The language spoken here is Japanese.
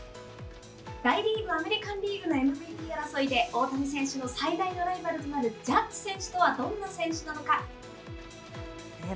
大リーグ、アメリカン・リーグのＭＶＰ争いで、大谷翔平選手の最大のライバルとなるのがジャッジ選手ですよね。